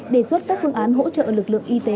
đề xuất các phương án hỗ trợ lực lượng y tế